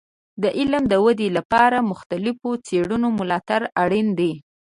د علم د ودې لپاره د مختلفو څیړنو ملاتړ اړین دی.